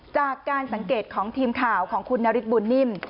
จากการสังเกตของทีมข่าวของคุณนฤทธบุญนิ่ม